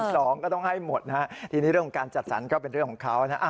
๑๒๐๐๐ก็ต้องให้หมดทีนี้เรื่องการจัดสรรเป็นเรื่องของเขา